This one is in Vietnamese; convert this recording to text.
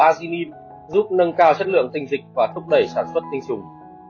quả ốc chó giàu protein giúp nâng cao chất lượng tình dịch và thúc đẩy sản xuất tinh dục